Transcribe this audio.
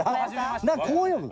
こう読む。